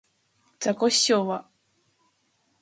ザコシショウは